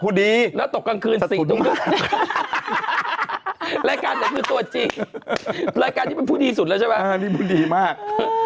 ผู้ดีไหมแล้วตกกลางคืนสิถูกหรือเปล่ารายการนี้มันผู้ดีสุดแล้วใช่ไหมอ้าวนี่ผู้ดีมาก